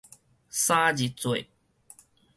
三日節